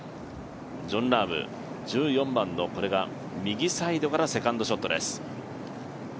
ジョン・ラーム、１４番のこれが右サイドからセカンドショットです。